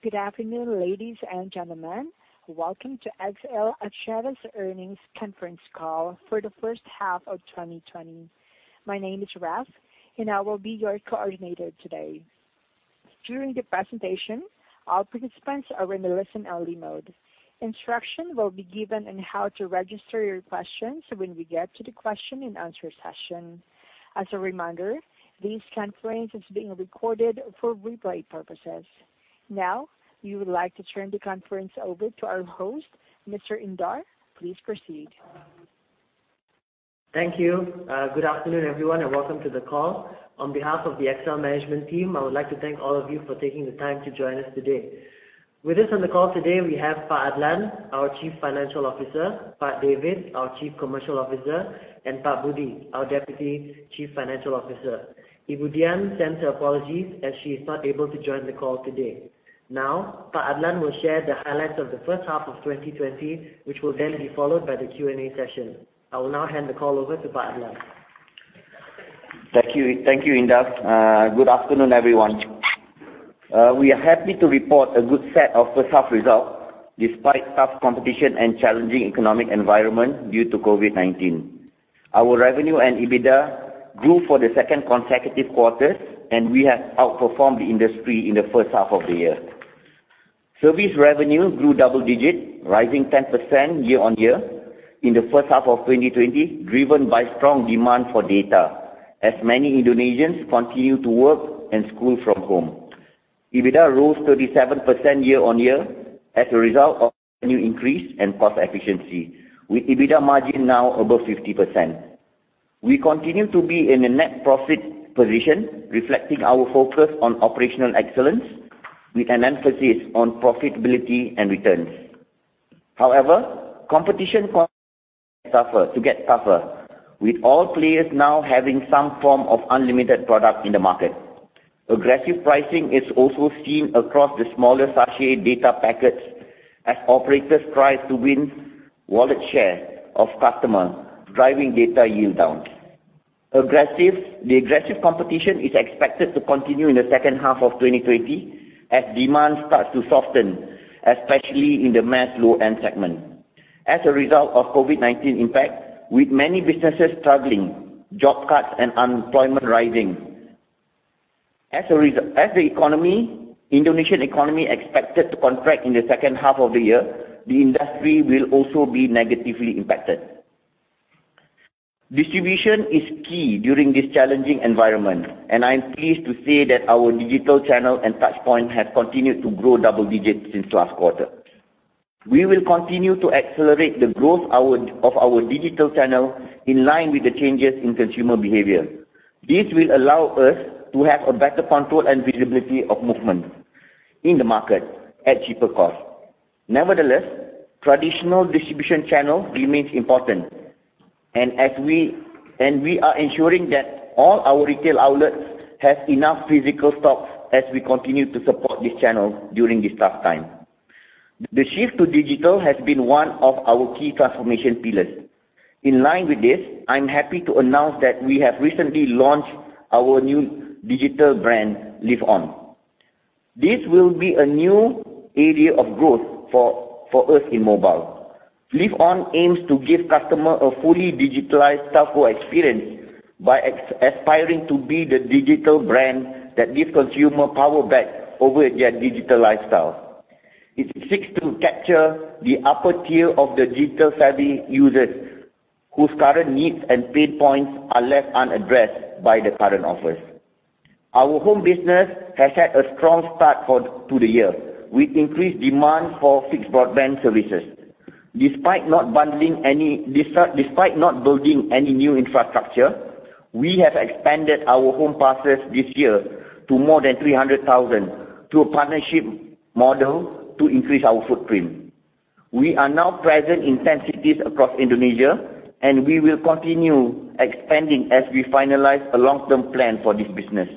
Good afternoon, ladies and gentlemen. Welcome to XL Axiata's Earnings Conference Call for the First Half of 2020. My name is Raff, and I will be your coordinator today. During the presentation, all participants are in the listen-only mode. Instruction will be given on how to register your questions when we get to the question and answer session. As a reminder, this conference is being recorded for replay purposes. Now, we would like to turn the conference over to our host, Mr. Indar. Please proceed. Thank you. Good afternoon, everyone, and welcome to the call. On behalf of the XL management team, I would like to thank all of you for taking the time to join us today. With us on the call today, we have Pak Adlan, our Chief Financial Officer, Pak David, our Chief Commercial Officer, and Pak Budi, our Deputy Chief Financial Officer. Ibu Dian sends her apologies, as she is not able to join the call today. Now, Pak Adlan will share the highlights of the first half of 2020, which will then be followed by the Q&A session. I will now hand the call over to Pak Adlan. Thank you, Indar. Good afternoon, everyone. We are happy to report a good set of first half results, despite tough competition and challenging economic environment due to COVID-19. Our revenue and EBITDA grew for the second consecutive quarter, and we have outperformed the industry in the first half of the year. Service revenue grew double-digits, rising 10% year-on-year in the first half of 2020, driven by strong demand for data, as many Indonesians continue to work and school from home. EBITDA rose 37% year-on-year as a result of revenue increase and cost efficiency, with EBITDA margin now above 50%. We continue to be in a net profit position, reflecting our focus on operational excellence, with an emphasis on profitability and returns. However, competition to get tougher, with all players now having some form of unlimited product in the market. Aggressive pricing is also seen across the smaller sachet data packets as operators try to win wallet share of customers, driving data yield down. The aggressive competition is expected to continue in the second half of 2020 as demand starts to soften, especially in the mass low-end segment. As a result of COVID-19 impact, with many businesses struggling, job cuts and unemployment rising. As the Indonesian economy expected to contract in the second half of the year, the industry will also be negatively impacted. Distribution is key during this challenging environment, and I am pleased to say that our digital channel and touchpoint have continued to grow double-digits since last quarter. We will continue to accelerate the growth of our digital channel in line with the changes in consumer behavior. This will allow us to have a better control and visibility of movement in the market at cheaper cost. Nevertheless, traditional distribution channel remains important, and we are ensuring that all our retail outlets have enough physical stock as we continue to support this channel during this tough time. The shift to digital has been one of our key transformation pillars. In line with this, I'm happy to announce that we have recently launched our new digital brand, Live.On. This will be a new area of growth for us in mobile. Live.On aims to give customers a fully digitalized, self-serve experience by aspiring to be the digital brand that gives consumers power back over their digital lifestyle. It seeks to capture the upper tier of the digital-savvy users whose current needs and pain points are left unaddressed by the current offers. Our home business has had a strong start to the year with increased demand for fixed broadband services. Despite not building any new infrastructure, we have expanded our home passes this year to more than 300,000 through a partnership model to increase our footprint. We are now present in 10 cities across Indonesia, and we will continue expanding as we finalize a long-term plan for this business.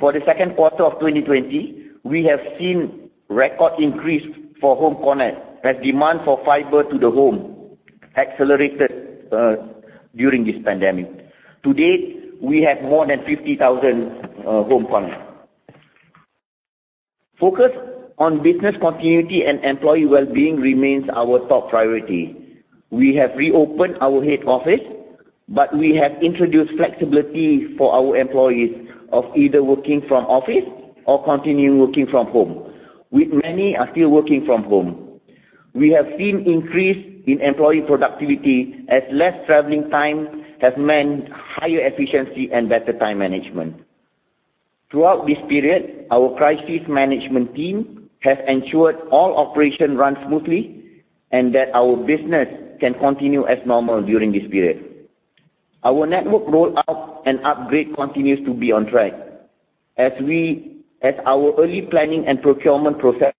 For the second quarter of 2020, we have seen record increase for home connect as demand for fiber to the home accelerated during this pandemic. To date, we have more than 50,000 home connect. Focus on business continuity and employee wellbeing remains our top priority. We have reopened our head office, but we have introduced flexibility for our employees of either working from office or continuing working from home, with many are still working from home. We have seen increase in employee productivity as less traveling time has meant higher efficiency and better time management. Throughout this period, our crisis management team has ensured all operations run smoothly and that our business can continue as normal during this period. Our network rollout and upgrade continues to be on track, as our early planning and procurement process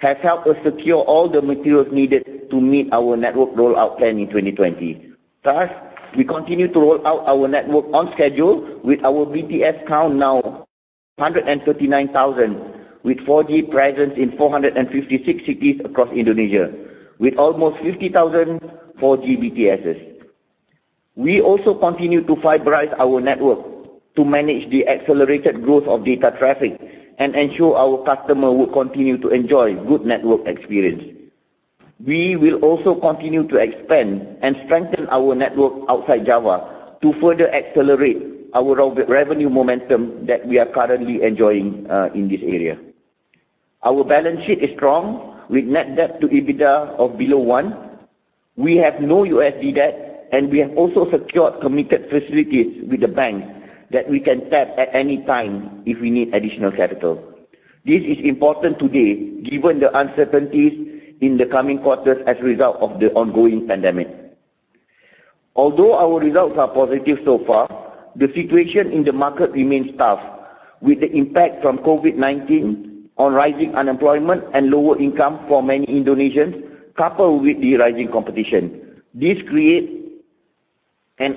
has helped us secure all the materials needed to meet our network rollout plan in 2020. We continue to roll out our network on schedule with our BTS count now 139,000, with 4G presence in 456 cities across Indonesia, with almost 50,000 4G BTS. We also continue to fiberize our network to manage the accelerated growth of data traffic and ensure our customers will continue to enjoy good network experience. We will also continue to expand and strengthen our network outside Java to further accelerate our revenue momentum that we are currently enjoying in this area. Our balance sheet is strong with net debt to EBITDA of below 1. We have no USD debt, and we have also secured committed facilities with the banks that we can tap at any time if we need additional capital. This is important today, given the uncertainties in the coming quarters as a result of the ongoing pandemic. Although our results are positive so far, the situation in the market remains tough. With the impact from COVID-19 on rising unemployment and lower income for many Indonesians, coupled with the rising competition. This creates an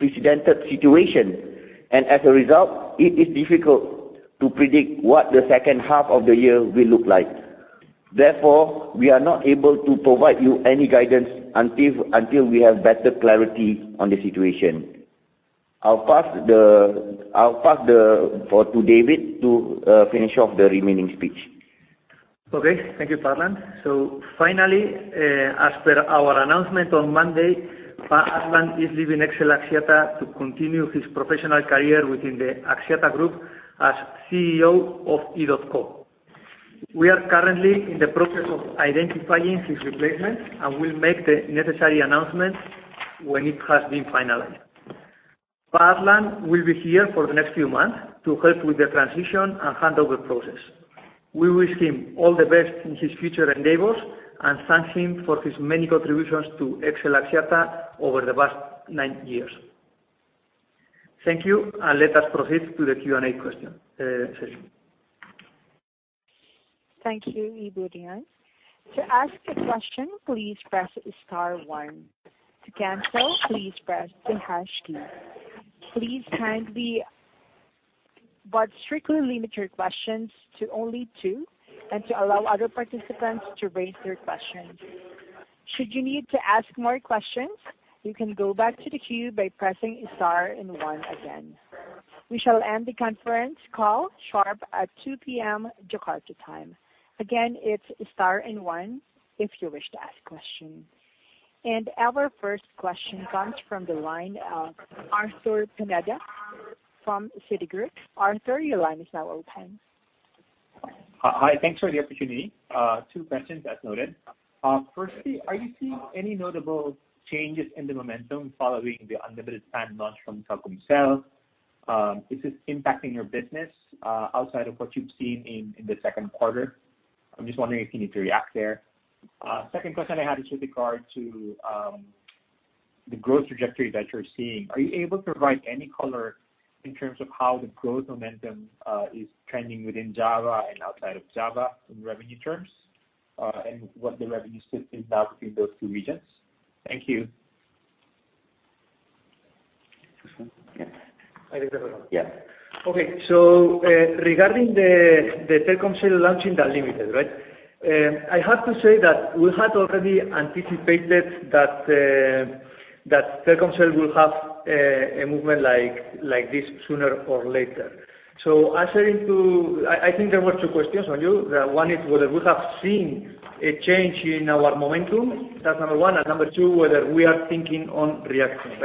unprecedented situation, and as a result, it is difficult to predict what the second half of the year will look like. Therefore, we are not able to provide you any guidance until we have better clarity on the situation. I'll pass to David to finish off the remaining speech. Okay. Thank you, Pak Adlan. Finally, as per our announcement on Monday, Pak Adlan is leaving XL Axiata to continue his professional career within the Axiata Group as CEO of EDOTCO. We are currently in the process of identifying his replacement and will make the necessary announcement when it has been finalized. Pak Adlan will be here for the next few months to help with the transition and handover process. We wish him all the best in his future endeavors and thank him for his many contributions to XL Axiata over the past nine years. Thank you, and let us proceed to the Q&A session. Thank you, Ibu Dian. To ask a question, please press star one. To cancel, please press the hash key. Please kindly but strictly limit your questions to only two and to allow other participants to raise their questions. Should you need to ask more questions, you can go back to the queue by pressing star and one again. We shall end the conference call sharp at 2:00 P.M. Jakarta time. Again, it's star and one if you wish to ask questions. Our first question comes from the line of Arthur Pineda from Citigroup. Arthur, your line is now open. Hi. Thanks for the opportunity. Two questions, as noted. Firstly, are you seeing any notable changes in the momentum following the unlimited plan launch from Telkomsel? Is this impacting your business outside of what you've seen in the second quarter? I'm just wondering if you need to react there. Second question I had is with regard to the growth trajectory that you're seeing. Are you able to provide any color in terms of how the growth momentum is trending within Java and outside of Java in revenue terms? What the revenue split is now between those two regions? Thank you. Yeah. I think that one. Yeah. Okay. Regarding the Telkomsel launching the unlimited, right? I have to say that we had already anticipated that Telkomsel will have a movement like this sooner or later. Answering to, I think there were two questions from you. One is whether we have seen a change in our momentum. That's number one. Number two, whether we are thinking on reacting,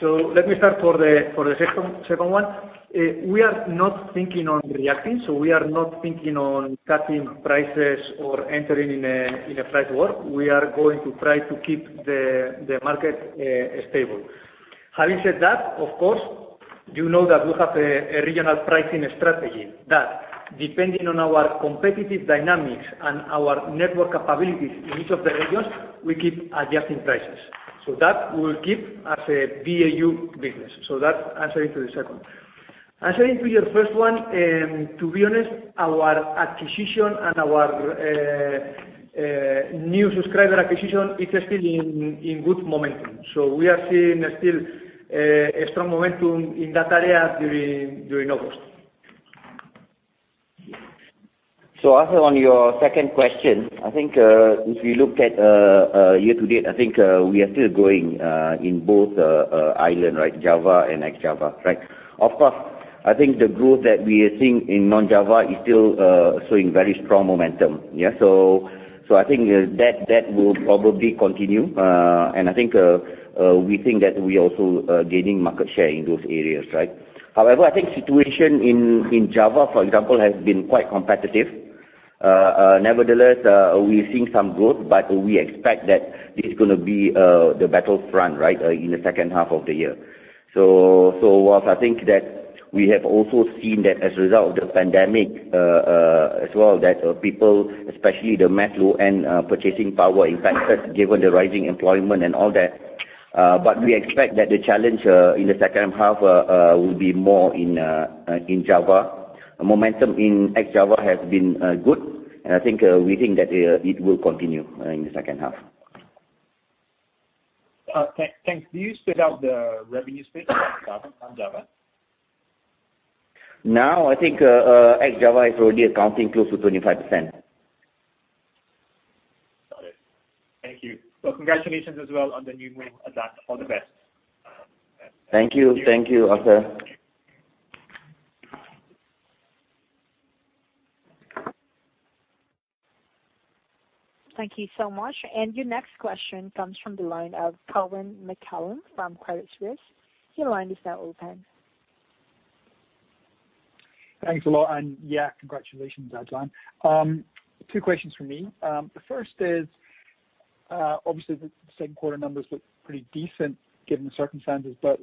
right? Let me start for the second one. We are not thinking on reacting. We are not thinking on cutting prices or entering in a price war. We are going to try to keep the market stable. Having said that, of course, you know that we have a regional pricing strategy that depending on our competitive dynamics and our network capabilities in each of the regions, we keep adjusting prices. That will keep as a BAU business. That's answering to the second. Answering to your first one, to be honest, our acquisition and our new subscriber acquisition is still in good momentum. We are seeing still a strong momentum in that area during August. Also on your second question, I think if you look at year-to-date, I think we are still growing in both island, right? Java and ex-Java, right? Of course, I think the growth that we are seeing in non-Java is still showing very strong momentum. Yeah, I think that will probably continue. And I think we think that we also gaining market share in those areas, right? I think situation in Java, for example, has been quite competitive. We're seeing some growth, but we expect that this is going to be the battlefront, right? In the second half of the year. Whilst I think that we have also seen that as a result of the pandemic as well, that people, especially the mass low-end purchasing power impacted given the rising employment and all that. We expect that the challenge in the second half will be more in Java. Momentum in ex-Java has been good, and I think we think that it will continue in the second half. Thanks. Do you split out the revenue split on Java? Now, I think ex-Java is already accounting close to 25%. Got it. Thank you. Well, congratulations as well on the new role, Adlan. All the best. Thank you. Thank you, Arthur. Thank you so much. Your next question comes from the line of Colin McCallum from Credit Suisse. Your line is now open. Thanks a lot. Yeah, congratulations, Adlan. Two questions from me. The first is, obviously, the second quarter numbers look pretty decent given the circumstances, but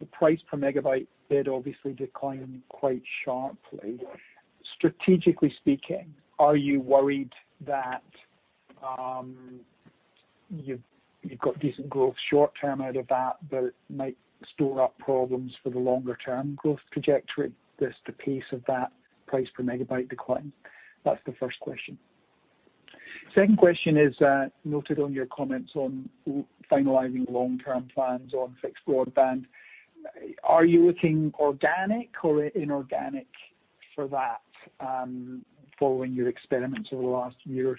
the price per megabyte did obviously decline quite sharply. Strategically speaking, are you worried that you've got decent growth short-term out of that, but it might store up problems for the longer-term growth trajectory, just the pace of that price per megabyte decline? That's the first question. Second question is, noted on your comments on finalizing long-term plans on fixed broadband, are you looking organic or inorganic for that, following your experiments over the last year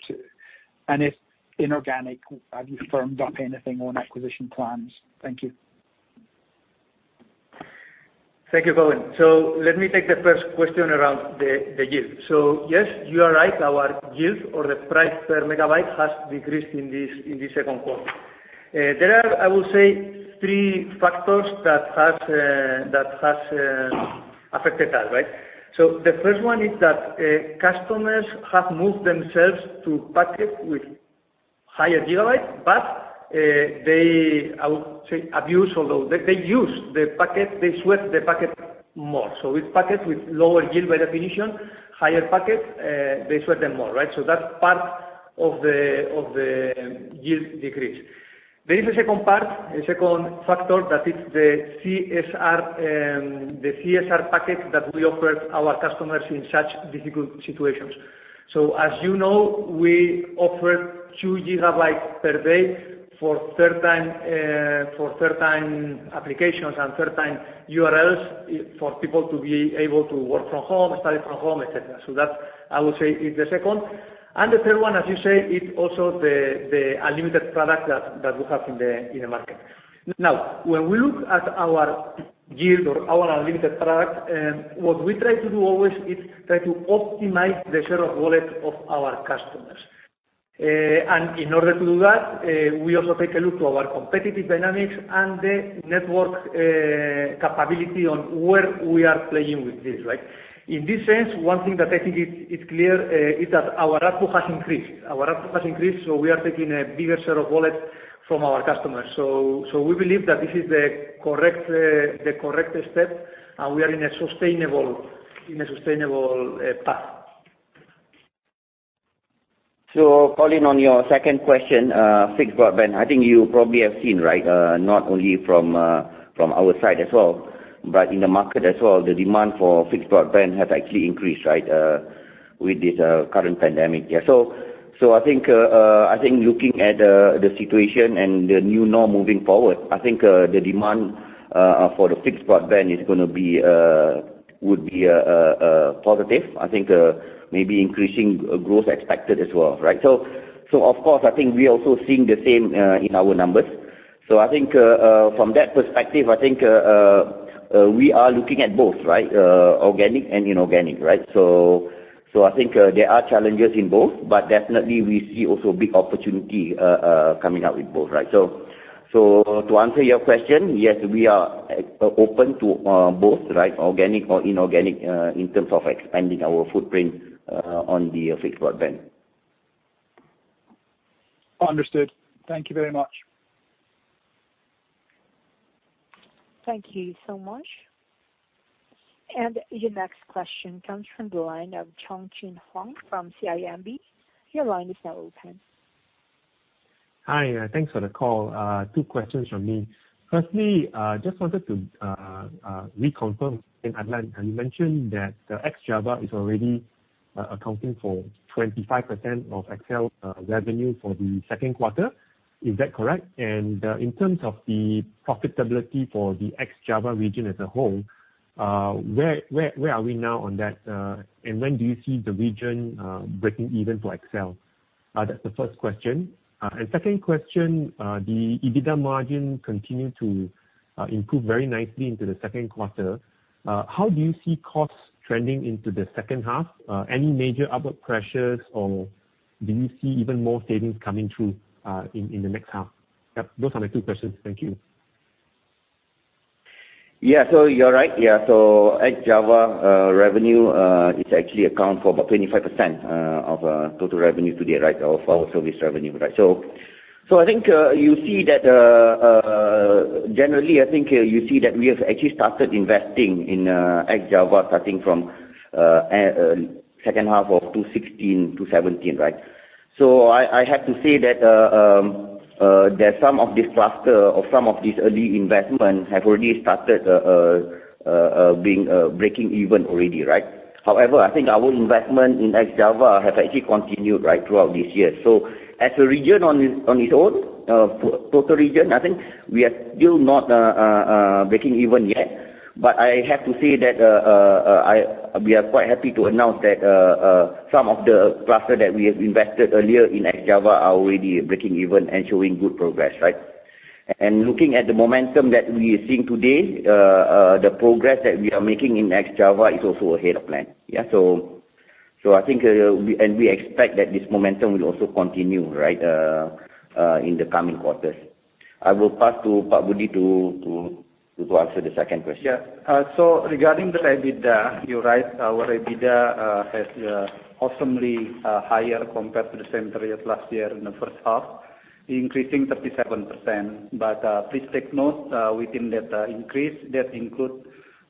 or two? If inorganic, have you firmed up anything on acquisition plans? Thank you. Thank you, Colin. Let me take the first question around the yield. Yes, you are right, our yield or the price per megabyte has decreased in this second quarter. There are, I would say, three factors that has affected that, right. The first one is that customers have moved themselves to packet with higher gigabytes, but they, I would say abuse or they use the packet, they sweat the packet more. It's packet with lower yield by definition, higher packet, they sweat them more, right. That's part of the yield decrease. There is a second part, a second factor that is the CSR packet that we offer our customers in such difficult situations. As you know, we offer 2 GB per day for certain applications and certain URLs for people to be able to work from home, study from home, et cetera. That, I would say, is the second. The third one, as you say, it's also the unlimited product that we have in the market. When we look at our yield or our unlimited product, what we try to do always is try to optimize the share of wallet of our customers. In order to do that, we also take a look to our competitive dynamics and the network capability on where we are playing with this. In this sense, one thing that I think is clear is that our ARPU has increased. Our ARPU has increased, so we are taking a bigger share of wallet from our customers. We believe that this is the correct step, and we are in a sustainable path. Colin, on your second question, fixed broadband, I think you probably have seen, not only from our side as well, but in the market as well, the demand for fixed broadband has actually increased, with this current pandemic. Yeah. I think looking at the situation and the new norm moving forward, I think, the demand for the fixed broadband would be positive. I think maybe increasing growth expected as well. Of course, I think we are also seeing the same in our numbers. I think from that perspective, I think, we are looking at both. Organic and inorganic. I think there are challenges in both, but definitely we see also a big opportunity coming up with both. To answer your question, yes, we are open to both. Organic or inorganic in terms of expanding our footprint on the fixed broadband. Understood. Thank you very much. Thank you so much. Your next question comes from the line of Foong Choong Chen from CIMB. Your line is now open. Hi. Thanks for the call. Two questions from me. Firstly, just wanted to reconfirm Adlan, you mentioned that ex-Java is already accounting for 25% of XL revenue for the second quarter. Is that correct? In terms of the profitability for the ex-Java region as a whole, where are we now on that? When do you see the region breaking even for XL? That's the first question. Second question, the EBITDA margin continued to improve very nicely into the second quarter. How do you see costs trending into the second half? Any major upward pressures, or do you see even more savings coming through in the next half? Yep, those are my two questions. Thank you. Yeah. You're right. Yeah. ex-Java revenue is actually account for about 25% of total revenue to date. Of our service revenue. I think, generally, I think, you see that we have actually started investing in ex-Java starting from second half of 2016 to 2017. I have to say that some of this cluster or some of this early investment have already started breaking even. However, I think our investment in ex-Java have actually continued, throughout this year. As a region on its own, total region, I think we are still not breaking even yet. But I have to say that we are quite happy to announce that some of the cluster that we have invested earlier in ex-Java are already breaking even and showing good progress. Looking at the momentum that we are seeing today, the progress that we are making in ex-Java is also ahead of plan. I think we expect that this momentum will also continue in the coming quarters. I will pass to Pak Budi to answer the second question. Yeah. Regarding the EBITDA, you're right. Our EBITDA has awesomely higher compared to the same period last year in the first half, increasing 37%. Please take note, within that increase, that includes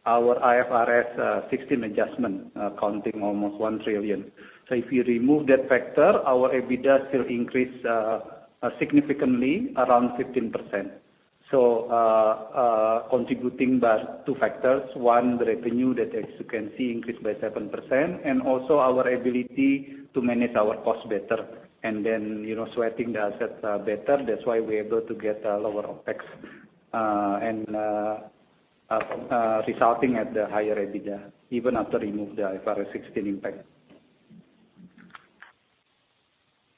our IFRS 16 adjustment accounting almost 1 trillion. If you remove that factor, our EBITDA still increase significantly around 15%. Contributing by two factors. One, the revenue that, as you can see, increased by 7%, and also our ability to manage our cost better and then sweating the assets better. That's why we're able to get lower OpEx and resulting at the higher EBITDA even after remove the IFRS 16 impact.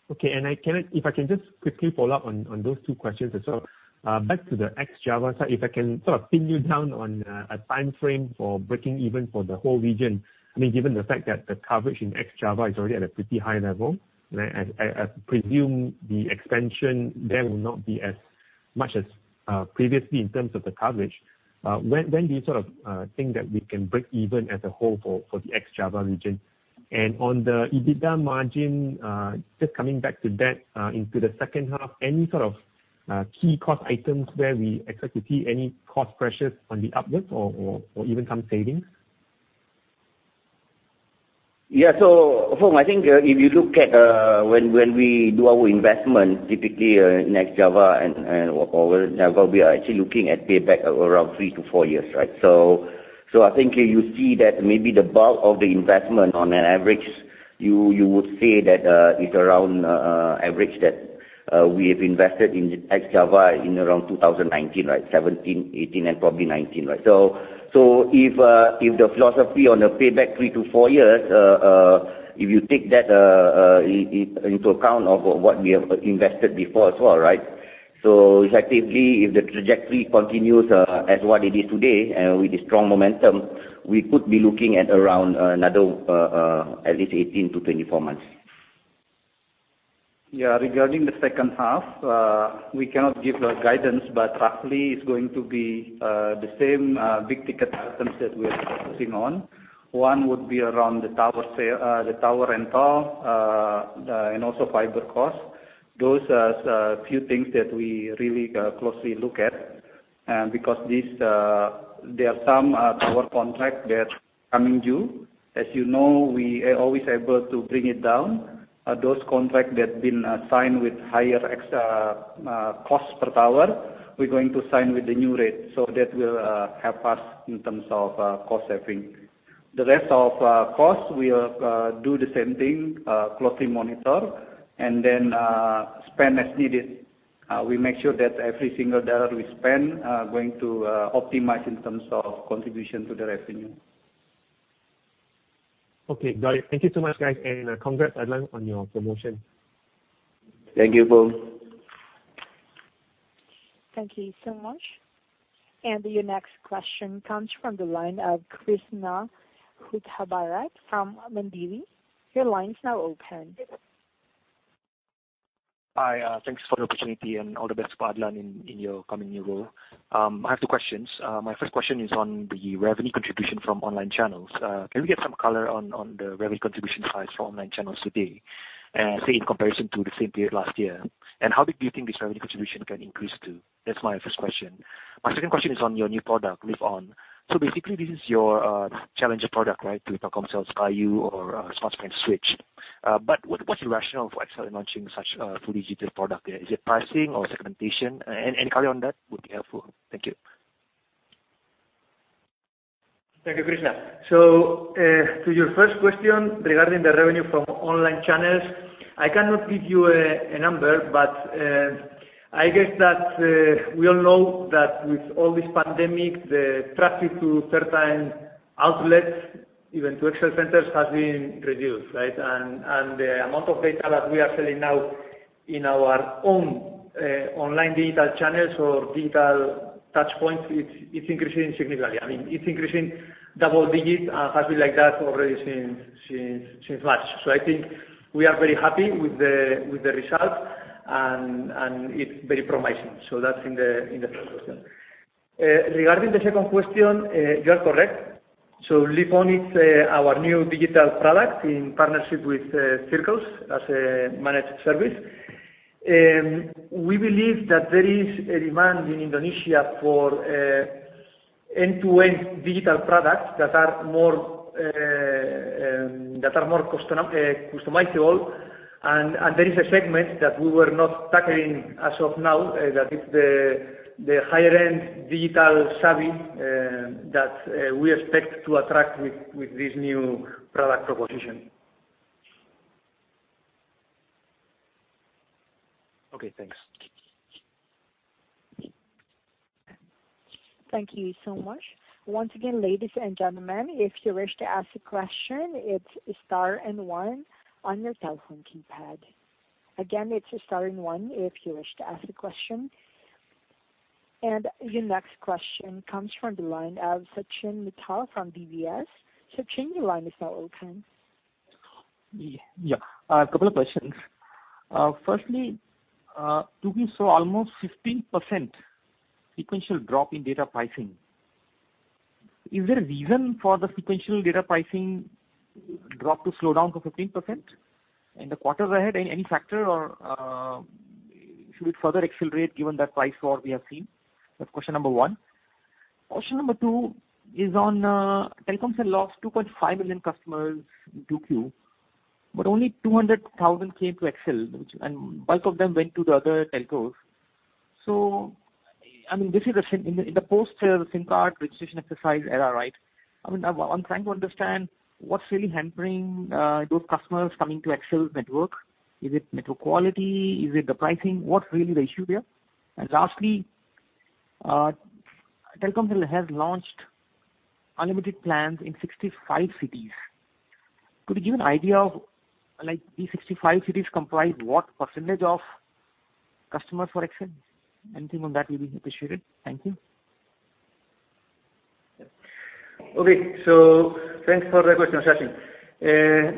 If I can just quickly follow-up on those two questions as well. Back to the ex-Java side, if I can sort of pin you down on a time frame for breaking even for the whole region. Given the fact that the coverage in ex-Java is already at a pretty high level, I presume the expansion there will not be as much as previously in terms of the coverage. When do you think that we can break even as a whole for the ex-Java region? On the EBITDA margin, just coming back to that into the second half, any sort of key cost items where we expect to see any cost pressures on the upwards or even some savings? Yeah. Choong, I think if you look at when we do our investment, typically ex-Java and or Java, we are actually looking at payback around three to four years. I think you see that maybe the bulk of the investment on an average, you would say that it's around average that we've invested in ex-Java in around 2019, 2017, 2018, and probably 2019. If the philosophy on the payback three to four years, if you take that into account of what we have invested before as well. Effectively, if the trajectory continues as what it is today with the strong momentum, we could be looking at around another at least 18 to 24 months. Yeah. Regarding the second half, we cannot give a guidance, but roughly it's going to be the same big-ticket items that we are focusing on. One would be around the tower rental and also fiber cost. Those are a few things that we really closely look at because there are some tower contract that's coming due. As you know, we are always able to bring it down. Those contract that been signed with higher cost per tower, we're going to sign with the new rate. That will help us in terms of cost saving. The rest of costs, we will do the same thing, closely monitor and then spend as needed. We make sure that every single dollar we spend going to optimize in terms of contribution to the revenue. Okay. Got it. Thank you so much, guys, and congrats, Adlan, on your promotion. Thank you, Choong. Thank you so much. Your next question comes from the line of Kresna Hutabarat from Mandiri. Your line's now open. Hi. Thanks for the opportunity and all the best, Adlan, in your coming new role. I have two questions. My first question is on the revenue contribution from online channels. Can we get some color on the revenue contribution size for online channels today, say, in comparison to the same period last year? How big do you think this revenue contribution can increase to? That's my first question. My second question is on your new product, Live.On. Basically, this is your challenger product, to Telkomsel's by.U or Smartfren's Switch. What's the rationale for XL launching such a fully digital product there? Is it pricing or segmentation? Any color on that would be helpful. Thank you. Thank you, Kresna. To your first question regarding the revenue from online channels, I cannot give you a number, but I guess that we all know that with all this pandemic, the traffic to certain outlets, even to XL centers, has been reduced. The amount of data that we are selling now in our own online digital channels or digital touch points, it's increasing significantly. It's increasing double-digits and has been like that already since March. I think we are very happy with the result, and it's very promising. That's in the first question. Regarding the second question, you are correct. Live.On, it's our new digital product in partnership with Circles.Life as a managed service. We believe that there is a demand in Indonesia for end-to-end digital products that are more customizable. There is a segment that we were not tackling as of now, that is the higher-end digital savvy that we expect to attract with this new product proposition. Okay, thanks. Thank you so much. Once again, ladies and gentlemen, if you wish to ask a question, it's star and one on your telephone keypad. Again, it's star and one if you wish to ask a question. Your next question comes from the line of Sachin Mittal from DBS. Sachin, your line is now open. Yeah. A couple of questions. Firstly, We saw almost 15% sequential drop in data pricing. Is there a reason for the sequential data pricing drop to slow down to 15%? In the quarters ahead, any factor or should it further accelerate given that price war we have seen? That's question number one. Question number two is on, Telkomsel lost 2.5 million customers in 2Q, but only 200,000 came to XL, and bulk of them went to the other telcos. This is in the post SIM card registration exercise era, right? I'm trying to understand what's really hampering those customers coming to XL network. Is it network quality? Is it the pricing? What's really the issue there? Lastly, Telkomsel has launched unlimited plans in 65 cities. Could you give an idea of, these 65 cities comprise what percentage of customers for XL? Anything on that will be appreciated. Thank you. Okay. Thanks for the questions, Sachin.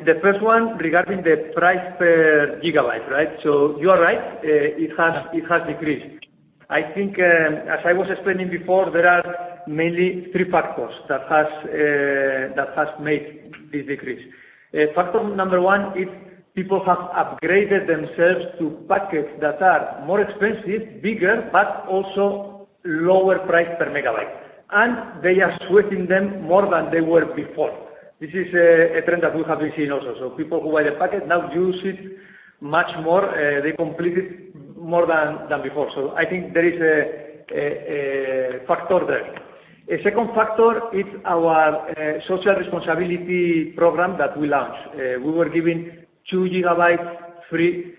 The first one regarding the price per gigabyte. You are right, it has decreased. I think, as I was explaining before, there are mainly three factors that has made this decrease. Factor number one is people have upgraded themselves to packets that are more expensive, bigger, but also lower price per megabyte, and they are sweating them more than they were before. This is a trend that we have been seeing also. People who buy the packet now use it much more, they complete it more than before. I think there is a factor there. A second factor is our social responsibility program that we launched. We were giving 2 GB free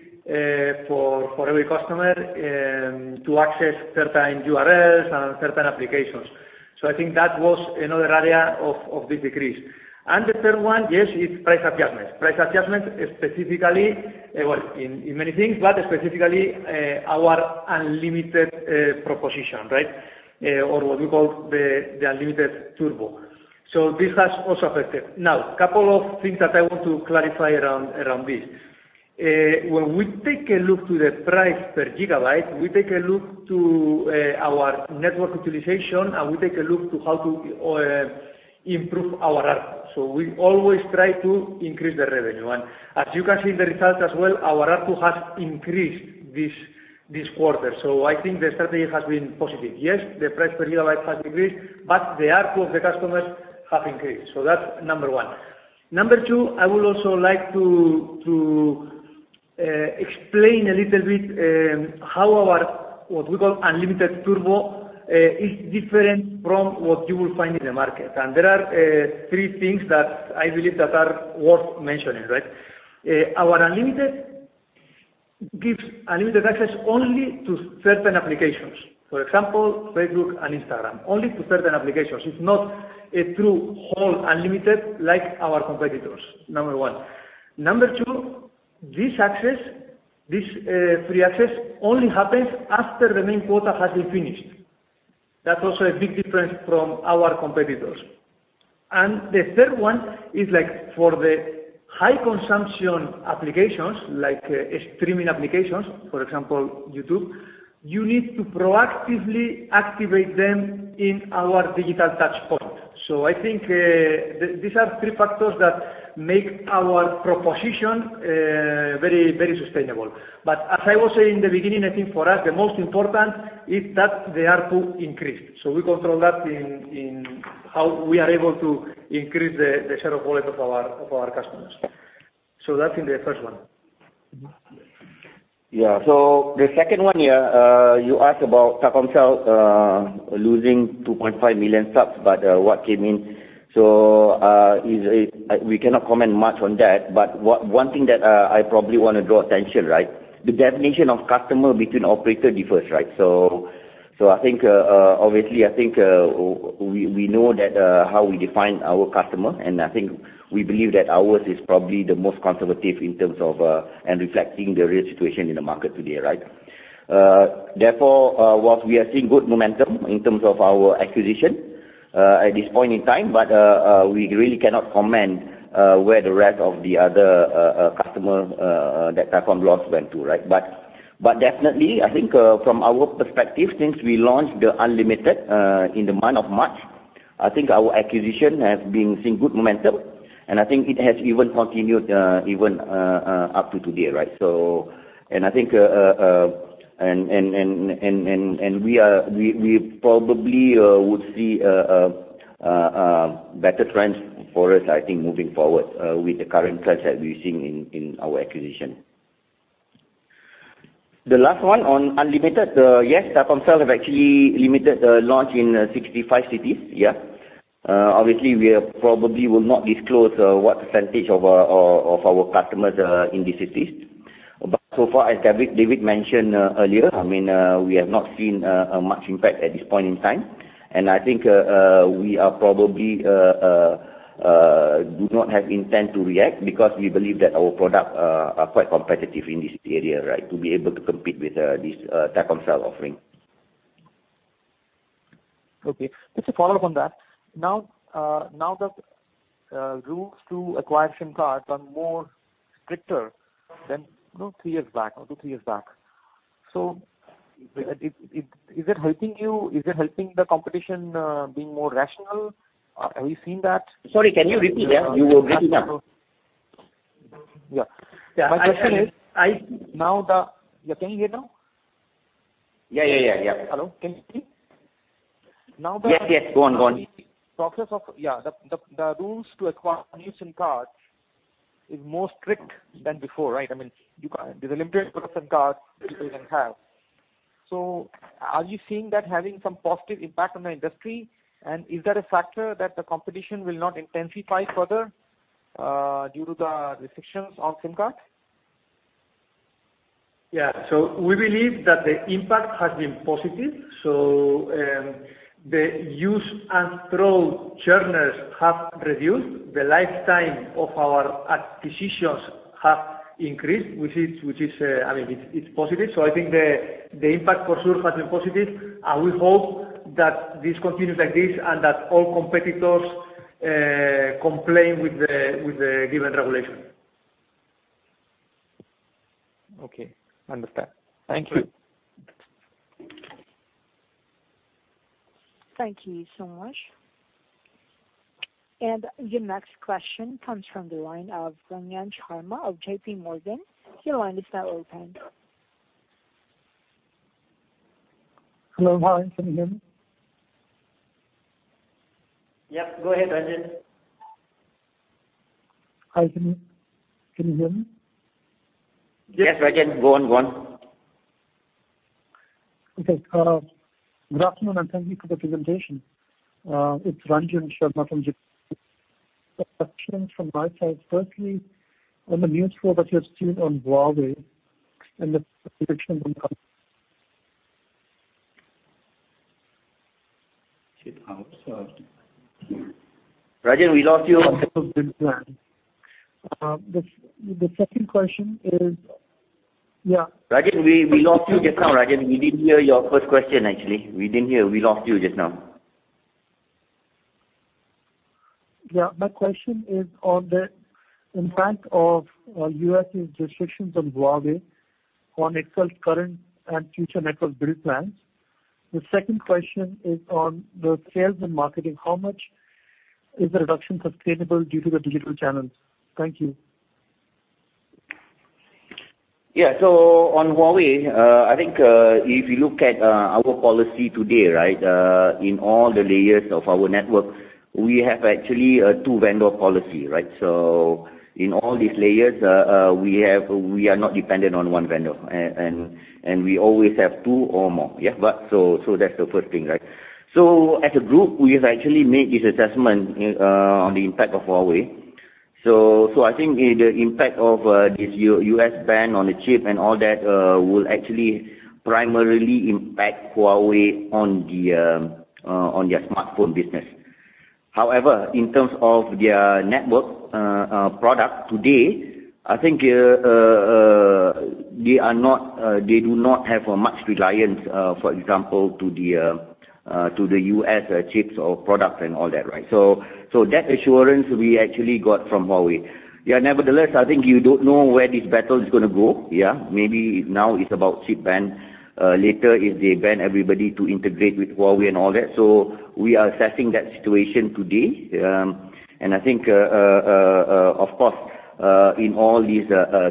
for every customer to access certain URLs and certain applications. I think that was another area of this decrease. The third one, yes, it's price adjustments. Price adjustments specifically, well, in many things, but specifically our unlimited proposition. What we call the Unlimited Turbo. This has also affected. Now, couple of things that I want to clarify around this. When we take a look to the price per gigabyte, we take a look to our network utilization, and we take a look to how to improve our ARPU. We always try to increase the revenue. As you can see in the results as well, our ARPU has increased this quarter. I think the strategy has been positive. Yes, the price per gigabyte has decreased, but the ARPU of the customers have increased. That's number one. Number two, I would also like to explain a little bit, how our, what we call Unlimited Turbo, is different from what you will find in the market. There are three things that I believe that are worth mentioning. Our unlimited gives unlimited access only to certain applications. For example, Facebook and Instagram. Only to certain applications. It's not a true whole unlimited like our competitors, number one. Number two, this access, this free access only happens after the main quota has been finished. That's also a big difference from our competitors. The third one is like for the high consumption applications like streaming applications, for example, YouTube, you need to proactively activate them in our digital touchpoint. I think these are three factors that make our proposition very sustainable. As I was saying in the beginning, I think for us, the most important is that the ARPU increased. We control that in how we are able to increase the share of wallet of our customers. That's in the first one. Yeah. The second one, yeah, you asked about Telkomsel losing 2.5 million subs, but what came in. We cannot comment much on that, but one thing that I probably want to draw attention, the definition of customer between operator differs. Obviously, I think we know that how we define our customer, and I think we believe that ours is probably the most conservative in terms of, and reflecting the real situation in the market today. Therefore, whilst we are seeing good momentum in terms of our acquisition, at this point in time, but we really cannot comment where the rest of the other customer that Telkom lost went to. Definitely, I think, from our perspective, since we launched the unlimited in the month of March, I think our acquisition has been seeing good momentum, and I think it has even continued even up to today. We probably would see better trends for us, I think, moving forward, with the current trends that we're seeing in our acquisition. The last one on unlimited, yes, Telkomsel have actually limited the launch in 65 cities. Obviously, we probably will not disclose what percentage of our customers are in these cities. So far, as David mentioned earlier, we have not seen much impact at this point in time. I think we probably do not have intent to react because we believe that our products are quite competitive in this area, to be able to compete with these type of sale offerings. Okay. Just a follow-up on that. Now that rules to acquire SIM cards are more stricter than three years back or two years back. Is that helping you? Is that helping the competition being more rational? Have you seen that? Sorry, can you repeat? You were breaking up. Yeah. My question is. Can you hear now? Yeah. Hello. Can you see me now? Yes. Go on. The rules to acquire a new SIM card is more strict than before, right? There's a limited number of SIM cards that you can have. Are you seeing that having some positive impact on the industry? Is that a factor that the competition will not intensify further due to the restrictions on SIM card? Yeah. We believe that the impact has been positive. The use and throw churners have reduced. The lifetime of our acquisitions have increased, which is positive. I think the impact for sure has been positive, and we hope that this continues like this and that all competitors comply with the given regulation. Okay. Understand. Thank you. Thank you so much. The next question comes from the line of Ranjan Sharma of JPMorgan. Your line is now open. Hello. Can you hear me? Yep. Go ahead, Ranjan. Can you hear me? Yes, Ranjan, go on. Okay. Good afternoon, and thank you for the presentation. It's Ranjan Sharma from JPMorgan. A question from my side. Firstly, on the news flow that you have seen on Huawei and the restrictions. Ranjan, we lost you. The second question is, yeah. Ranjan, we lost you just now. We didn't hear your first question, actually. We didn't hear. We lost you just now. Yeah. My question is on the impact of U.S.'s restrictions on Huawei on XL's current and future network build plans. The second question is on the sales and marketing. How much is the reduction sustainable due to the digital channels? Thank you. On Huawei, I think, if you look at our policy today, in all the layers of our network, we have actually a two-vendor policy. In all these layers, we are not dependent on one vendor, and we always have two or more. That's the first thing. As a group, we've actually made this assessment on the impact of Huawei. I think the impact of this U.S. ban on the chip and all that will actually primarily impact Huawei on their smartphone business. However, in terms of their network product today, I think they do not have much reliance, for example, to the U.S. chips or products and all that. That assurance we actually got from Huawei. Nevertheless, I think you don't know where this battle is going to go. Maybe now it's about chip ban. Later, if they ban everybody to integrate with Huawei and all that. We are assessing that situation today. I think, of course, in all these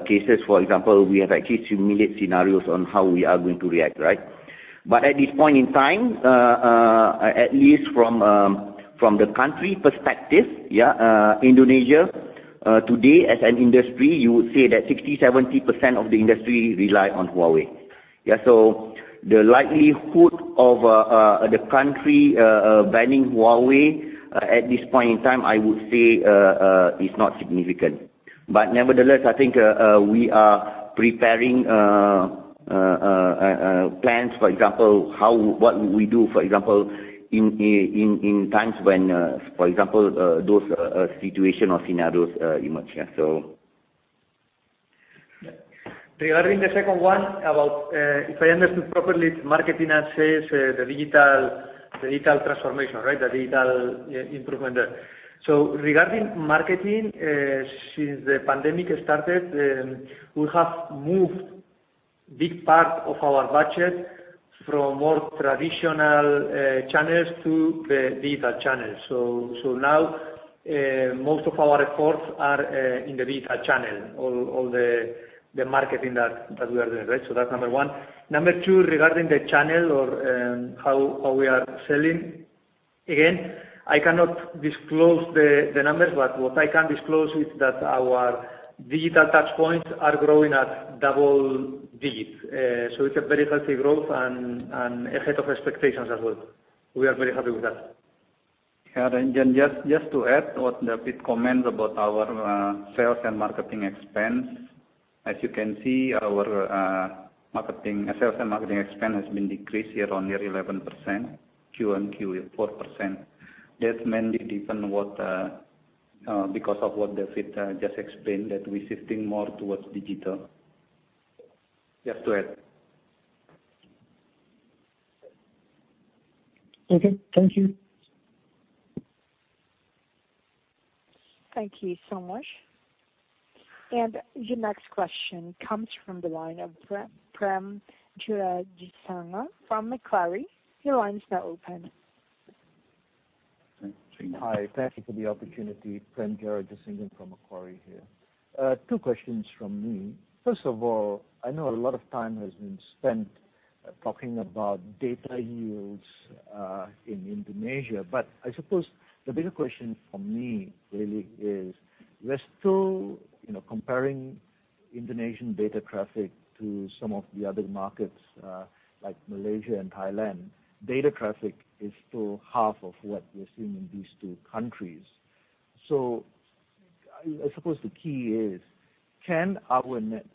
cases, for example, we have actually simulated scenarios on how we are going to react. At this point in time, at least from the country perspective, Indonesia, today as an industry, you would say that 60%-70% of the industry rely on Huawei. Yeah. The likelihood of the country banning Huawei at this point in time, I would say, is not significant. Nevertheless, I think we are preparing plans, for example, what would we do, for example, in times when those situations or scenarios emerge. Yeah. Regarding the second one about, if I understood properly, marketing and sales, the digital transformation. The digital improvement there. Regarding marketing, since the pandemic started, we have moved big part of our budget from more traditional channels to the digital channel. Now most of our efforts are in the digital channel, all the marketing that we are doing. That's number one. Number two, regarding the channel or how we are selling. Again, I cannot disclose the numbers, but what I can disclose is that our digital touchpoints are growing at double-digits. It's a very healthy growth and ahead of expectations as well. We are very happy with that. Yeah. Ranjan, just to add what David comments about our sales and marketing expense. As you can see, our sales and marketing expense has been decreased year-on-year 11%, Q-on-Q 4%. That mainly depend because of what David just explained, that we're shifting more towards digital. Just to add. Okay. Thank you. Thank you so much. Your next question comes from the line of Prem Jearajasingam from Macquarie. Your line's now open. Hi. Thank you for the opportunity. Prem Jearajasingam from Macquarie here. Two questions from me. First of all, I know a lot of time has been spent talking about data use, in Indonesia. I suppose the bigger question for me really is, we're still comparing Indonesian data traffic to some of the other markets, like Malaysia and Thailand. Data traffic is still half of what we're seeing in these two countries. I suppose the key is,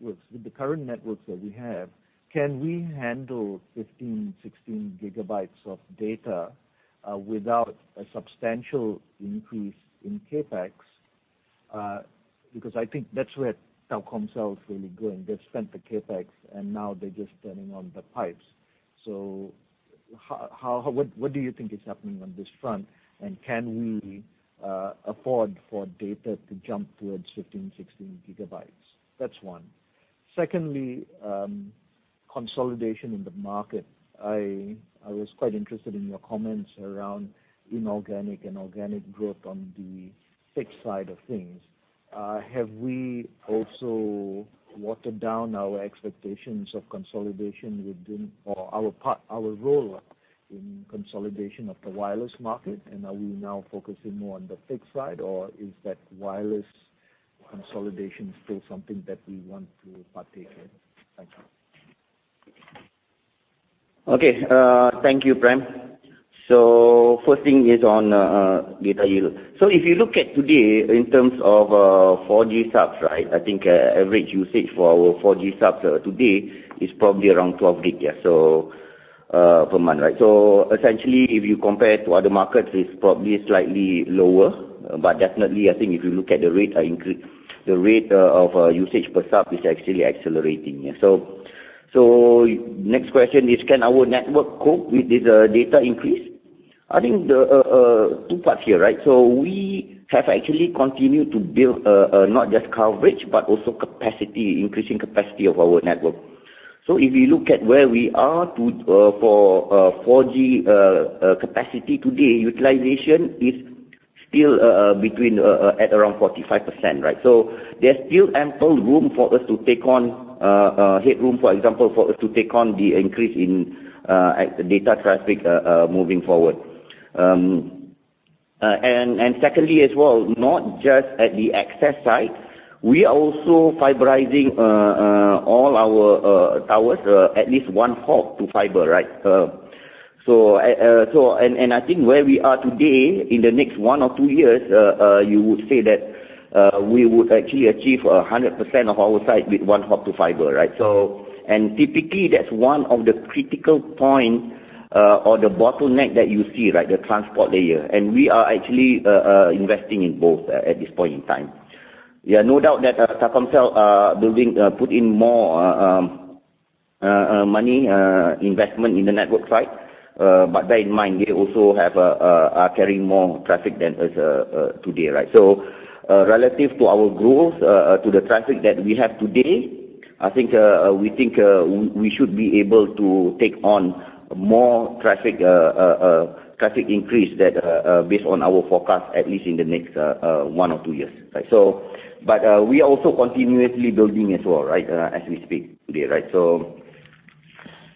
with the current networks that we have, can we handle 15, 16 GB of data, without a substantial increase in CapEx? I think that's where Telkomsel is really going. They've spent the CapEx, and now they're just turning on the pipes. What do you think is happening on this front? Can we afford for data to jump towards 15, 16 GB? That's one. Secondly, consolidation in the market. I was quite interested in your comments around inorganic and organic growth on the fixed side of things. Have we also watered down our expectations of consolidation within, or our role in consolidation of the wireless market? Are we now focusing more on the fixed side, or is that wireless consolidation still something that we want to partake in? Thank you. Okay. Thank you, Prem. First thing is on data yield. If you look at today in terms of 4G subs, right? I think average usage for our 4G subs today is probably around 12 GB per month. Essentially, if you compare to other markets, it's probably slightly lower. Definitely, I think if you look at the rate increase, the rate of usage per sub is actually accelerating. Next question is, can our network cope with this data increase? I think two parts here. We have actually continued to build, not just coverage, but also capacity, increasing capacity of our network. If you look at where we are for 4G capacity today, utilization is still between at around 45%. There's still ample room for us to take on headroom, for example, for us to take on the increase in data traffic moving forward. Secondly as well, not just at the access side. We are also fiberizing all our towers, at least one hop to fiber. I think where we are today, in the next one or two years, you would say that we would actually achieve 100% of our site with one hop to fiber. Typically, that's one of the critical points, or the bottleneck that you see. The transport layer. We are actually investing in both at this point in time. Yeah, no doubt that Telkomsel are building, put in more money, investment in the network side. Bear in mind, they also are carrying more traffic than us today. Relative to our growth, to the traffic that we have today, we think we should be able to take on more traffic increase based on our forecast, at least in the next one or two years. We are also continuously building as well. As we speak today.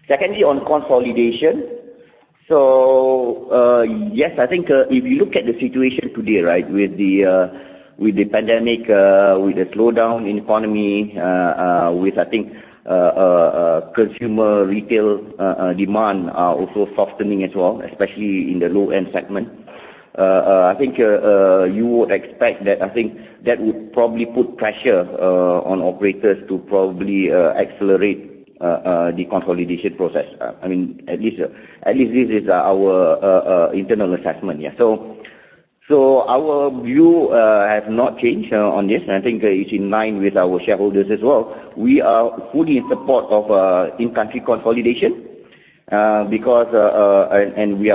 Secondly, on consolidation. Yes, I think if you look at the situation today. With the pandemic, with the slowdown in economy, with I think consumer retail demand are also softening as well, especially in the low-end segment. I think you would expect that would probably put pressure on operators to probably accelerate the consolidation process. At least this is our internal assessment. Our view has not changed on this, and I think it's in line with our shareholders as well. We are fully in support of in-country consolidation. We are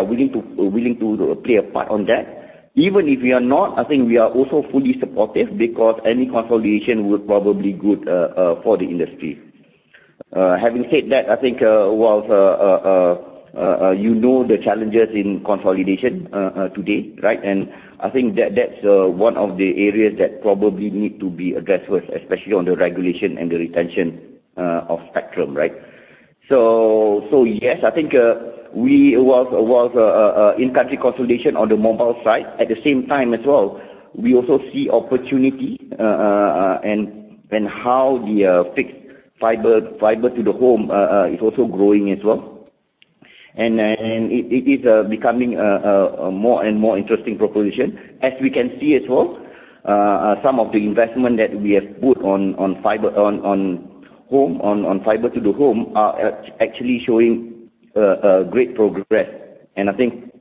willing to play a part on that. Even if we are not, I think we are also fully supportive because any consolidation would probably good for the industry. Having said that, I think whilst you know the challenges in consolidation today. I think that's one of the areas that probably need to be addressed first, especially on the regulation and the retention of spectrum. Yes, I think whilst in-country consolidation on the mobile side, at the same time as well, we also see opportunity and how the fixed fiber to the home is also growing as well. It is becoming a more and interesting proposition. As we can see as well, some of the investment that we have put on fiber to the home are actually showing great progress. I think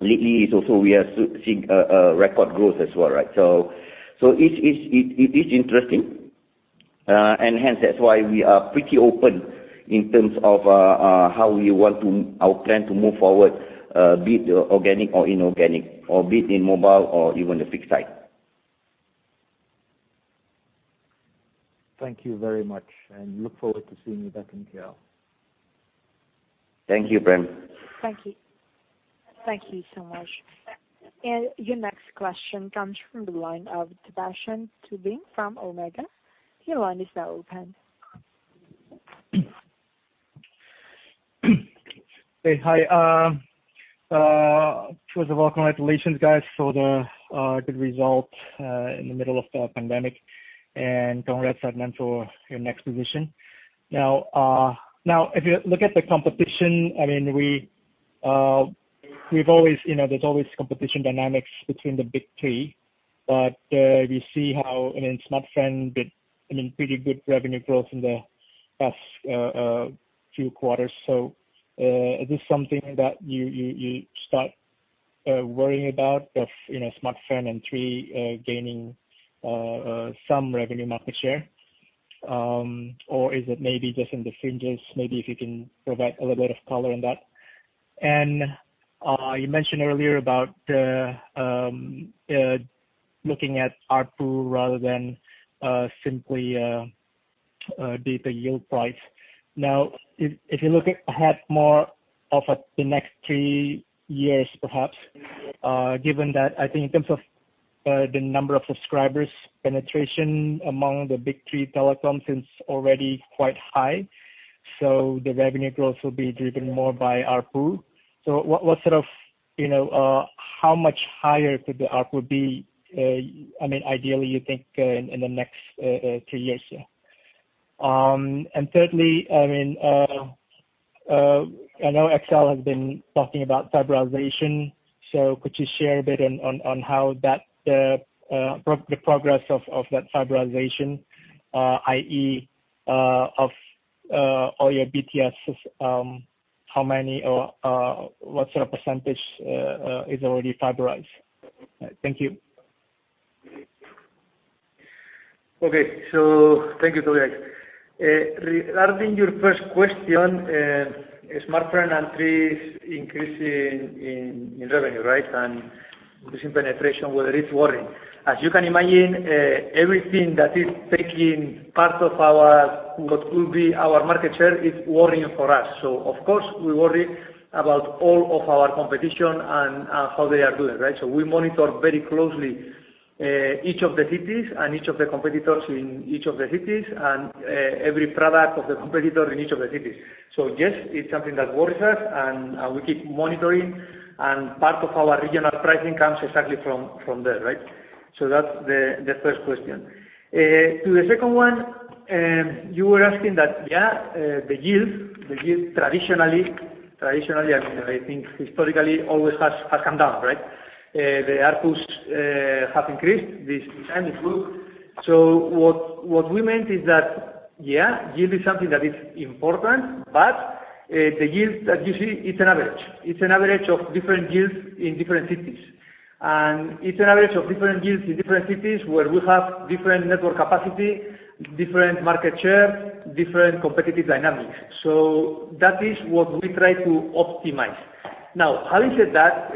lately, also we are seeing a record growth as well. It is interesting, and hence that's why we are pretty open in terms of how we want our plan to move forward, be it organic or inorganic, or be it in mobile or even the fixed side. Thank you very much, and look forward to seeing you back in KL. Thank you, Prem. Thank you. Thank you so much. Your next question comes from the line of [Sebastian Tobing from Omega]. Your line is now open. Hey. Hi. First of all, congratulations, guys, for the good result in the middle of the pandemic, and congrats, Adlan, for your next position. If you look at the competition, there's always competition dynamics between the big three, but we see how, in Smartfren did pretty good revenue growth in the past few quarters. Is this something that you start worrying about of Smartfren and Tri gaining some revenue market share? Is it maybe just in the fringes? Maybe if you can provide a little bit of color on that. You mentioned earlier about looking at ARPU rather than simply data yield price. If you look ahead more of the next three years, perhaps, given that, I think in terms of the number of subscribers, penetration among the big three telecoms is already quite high, so the revenue growth will be driven more by ARPU. How much higher could the ARPU be, ideally, you think, in the next three years here? Thirdly, I know XL has been talking about fiberization. Could you share a bit on how the progress of that fiberization, i.e., of all your BTSs, how many or what sort of percentage is already fiberized? Thank you. Okay. Thank you, Tobing. Regarding your first question, Smartfren and Tri's increase in revenue. Increasing penetration, whether it's worrying. As you can imagine, everything that is taking part of what will be our market share is worrying for us. Of course, we worry about all of our competition and how they are doing. We monitor very closely each of the cities and each of the competitors in each of the cities, and every product of the competitor in each of the cities. Yes, it's something that worries us, and we keep monitoring, and part of our regional pricing comes exactly from there. That's the first question. To the second one, you were asking that, yeah, the yield traditionally, I think historically, always has come down. The ARPUs have increased this time, it's good. What we meant is that, yeah, yield is something that is important, but the yield that you see, it's an average. It's an average of different yields in different cities. It's an average of different yields in different cities where we have different network capacity, different market share, different competitive dynamics. That is what we try to optimize. Having said that,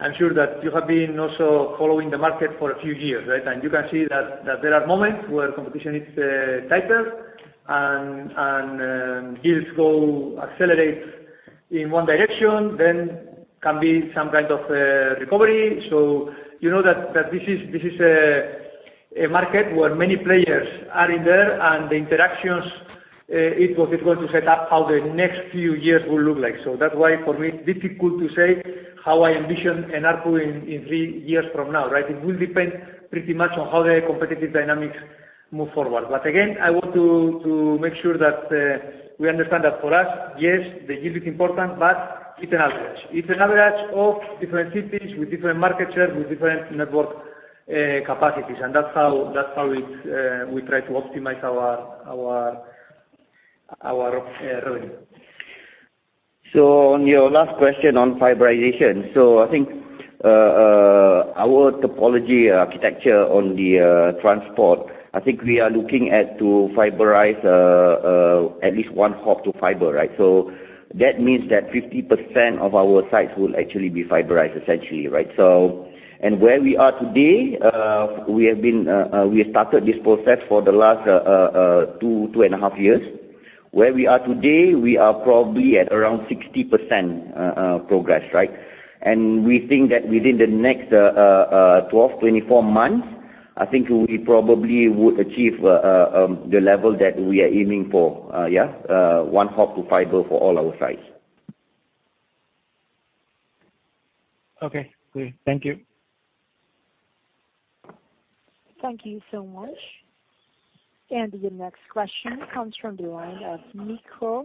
I'm sure that you have been also following the market for a few years. You can see that there are moments where competition is tighter and yields go accelerate in one direction, then can be some kind of recovery. You know that this is a market where many players are in there and the interactions, it was going to set up how the next few years will look like. That's why for me, it's difficult to say how I envision an ARPU in three years from now. It will depend pretty much on how the competitive dynamics move forward. Again, I want to make sure that we understand that for us, yes, the yield is important, but it's an average. It's an average of different cities with different market share, with different network capacities, and that's how we try to optimize our [revenue]. On your last question on fiberization. I think our topology architecture on the transport, I think we are looking at to fiberize at least one hop to fiber. That means that 50% of our sites will actually be fiberized essentially. Where we are today, we started this process for the last two and a half years. Where we are today, we are probably at around 60% progress. We think that within the next 12, 24 months, I think we probably would achieve the level that we are aiming for. Yeah. One hop to fiber for all our sites. Okay, great. Thank you. Thank you so much. Your next question comes from the line of Niko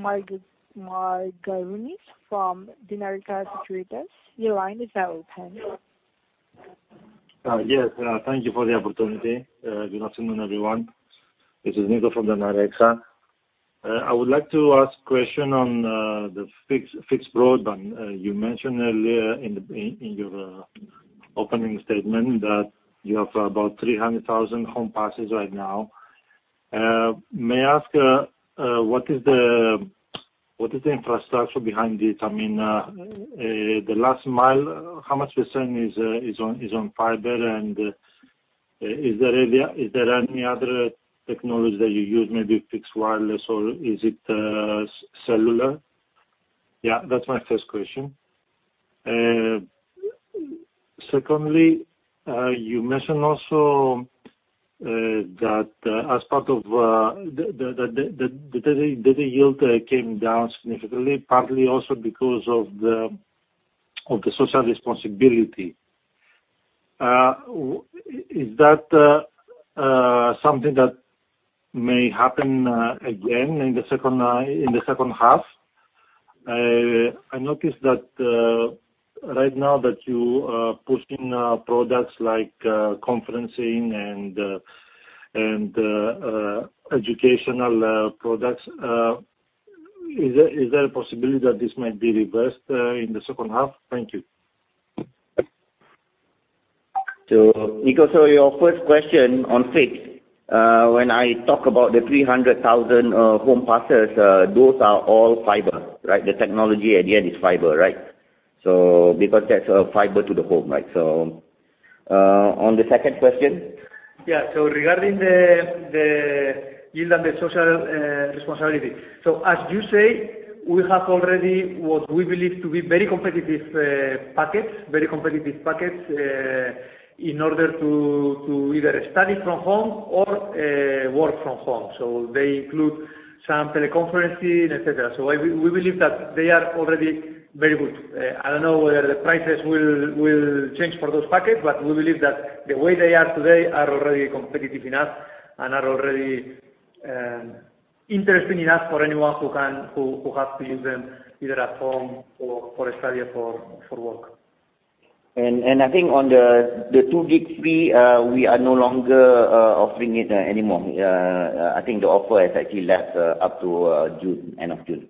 Margaronis from Danareksa Sekuritas. Your line is now open. Yes. Thank you for the opportunity. Good afternoon, everyone. This is Niko from Danareksa. I would like to ask a question on the fixed broadband. You mentioned earlier in your opening statement that you have about 300,000 home passes right now. May I ask what is the infrastructure behind it? The last mile, how much percentage is on fiber, and is there any other technology that you use, maybe fixed wireless, or is it cellular? That's my first question. Secondly, you mentioned also that the data yield came down significantly, partly also because of the social responsibility. Is that something that may happen again in the second half? I noticed right now that you are pushing products like conferencing and educational products. Is there a possibility that this might be reversed in the second half? Thank you. Niko, your first question on fixed. When I talk about the 300,000 home passes, those are all fiber. The technology at the end is fiber. Because that's fiber to the home. On the second question? Regarding the yield and the social responsibility. As you say, we have already what we believe to be very competitive packages in order to either study from home or work from home. They include some teleconferencing, et cetera. We believe that they are already very good. I don't know whether the prices will change for those packages, but we believe that the way they are today are already competitive enough and are already interesting enough for anyone who has to use them, either at home or for study or for work. I think on the 2 GB free, we are no longer offering it anymore. I think the offer has actually lasted up to end of June.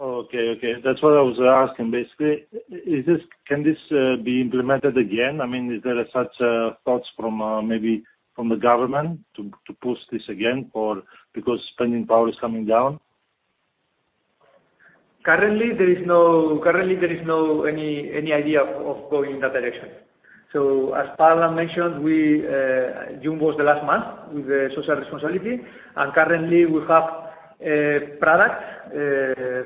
Okay. That's what I was asking, basically. Can this be implemented again? Is there such thoughts maybe from the government to push this again because spending power is coming down? Currently, there is not any idea of going in that direction. As Pak Adlan mentioned, June was the last month with the social responsibility, and currently we have products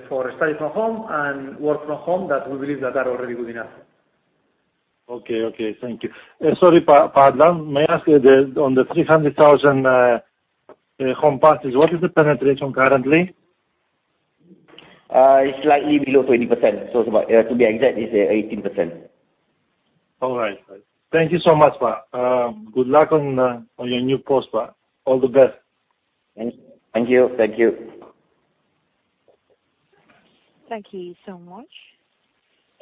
for study from home and work from home that we believe that are already good enough. Okay. Thank you. Sorry, Pak Adlan. May I ask, on the 300,000 home passes, what is the penetration currently? It's slightly below 20%. To be exact, it's 18%. All right. Thank you so much, Pak. Good luck on your new post, Pak. All the best. Thank you. Thank you so much.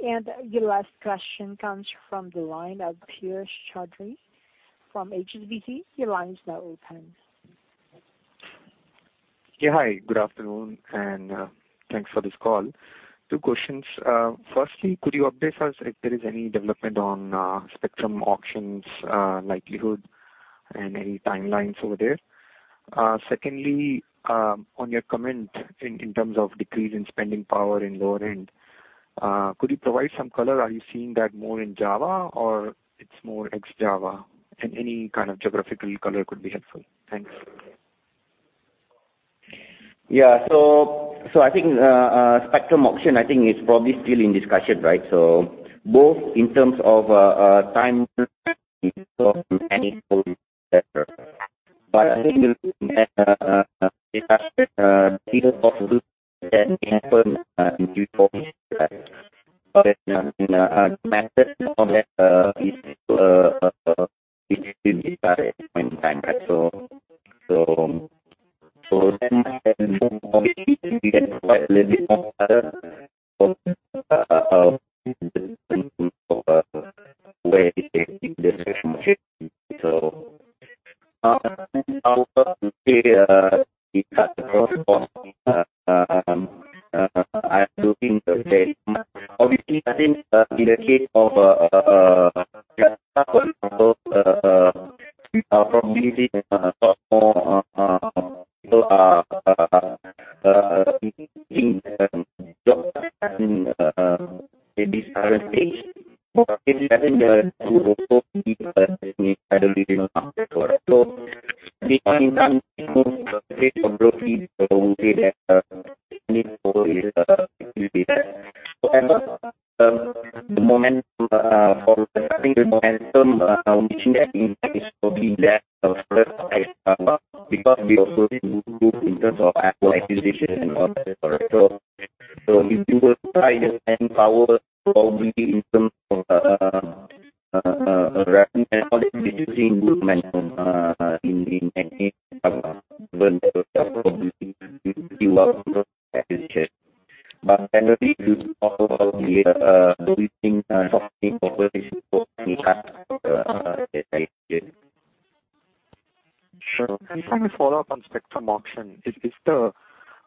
Your last question comes from the line of Piyush Choudhary from HSBC. Your line is now open. Yeah. Hi, good afternoon, and thanks for this call. Two questions. Firstly, could you update us if there is any development on spectrum auctions likelihood and any timelines over there? Secondly, on your comment in terms of decrease in spending power in lower end, could you provide some color? Are you seeing that more in Java or it's more ex-Java? Any kind of geographical color could be helpful. Thanks. I think spectrum auction, I think it's probably still in discussion. Both in terms of Sure. Can I follow-up on spectrum auction?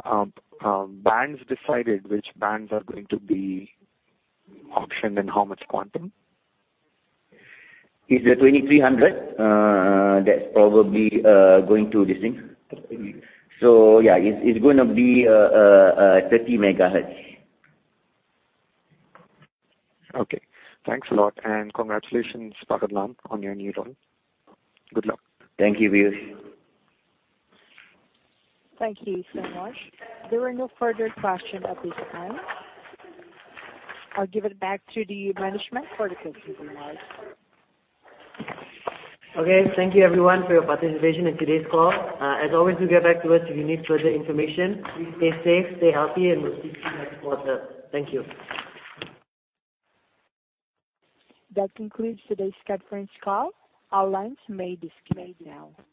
Are the bands decided which bands are going to be auctioned and how much quantum? It's the 2300 that's probably going to this thing. Okay. Yeah, it's going to be 30 MHz. Okay. Thanks a lot, and congratulations, Pak Adlan, on your new role. Good luck. Thank you, Piyush. Thank you so much. There are no further questions at this time. I'll give it back to the management for the closing remarks. Okay. Thank you everyone for your participation in today's call. As always, do get back to us if you need further information. Please stay safe, stay healthy, and we'll see you next quarter. Thank you. That concludes today's conference call. Our lines may disconnect now.